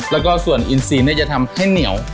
แล้วก็ส่วนอินซีจะทำให้เหนียว